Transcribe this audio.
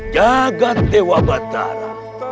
jaga tewa batara